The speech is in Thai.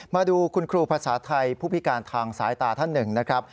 มาดูคุณครูภาษาไทยผู้พิการทางสายตาท่านหนึ่งนะครับ